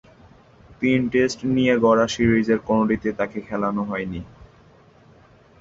তিন-টেস্ট নিয়ে গড়া সিরিজের কোনটিতেই তাকে খেলানো হয়নি।